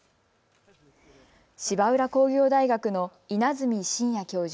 芝浦工業大学の稲積真哉教授。